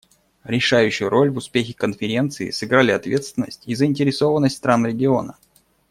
Решающую роль в успехе Конференции сыграли ответственность и заинтересованность стран региона.